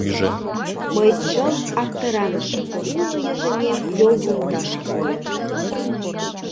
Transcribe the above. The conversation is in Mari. Мый чылт аптыранышым, уло йыжыҥем йолвундашке волен кайыш.